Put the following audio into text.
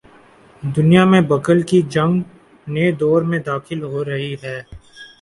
دنیا میں بقا کی جنگ نئے دور میں داخل ہو رہی ہے۔